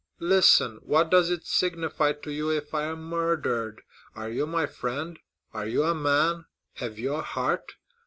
Listen. What does it signify to you if I am murdered? Are you my friend? Are you a man? Have you a heart?